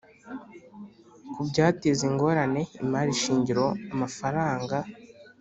Ku byateza ingorane imari shingiro amafaranga